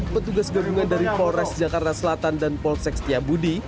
petugas gabungan dari polres jakarta selatan dan polsek setiabudi